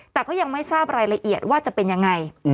แต่ก็ยังไม่ทราบรายละเอียดว่าจะเป็นยังไง